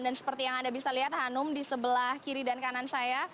dan seperti yang anda bisa lihat hanum di sebelah kiri dan kanan saya